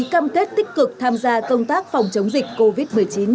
chất tích cực tham gia công tác phòng chống dịch covid một mươi chín